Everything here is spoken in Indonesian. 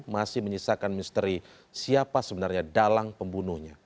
masih menyisakan misteri siapa sebenarnya dalang pembunuhnya